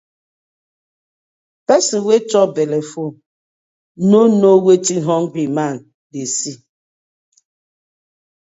Person wey chop belle full, no know wetin hungry man dey see: